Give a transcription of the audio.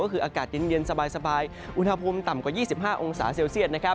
ก็คืออากาศเย็นสบายอุณหภูมิต่ำกว่า๒๕องศาเซลเซียต